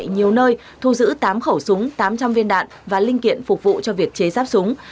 nhiều nơi thu giữ tám khẩu súng tám trăm linh viên đạn và linh kiện phục vụ cho việc chế ráp súng